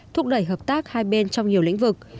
thúc đẩy hợp tác hai bên trong nhiều lĩnh vực